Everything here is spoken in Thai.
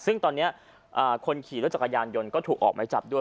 ซึ่งตอนนี้คนขี่รถจักรยานยนต์ก็ถูกออกไม้จับด้วย